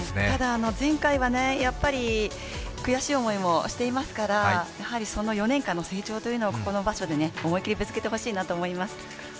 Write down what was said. ただ、前回は悔しい思いもしていますからその４年間の成長というのをここの場所で思い切りぶつけてほしいなと思います。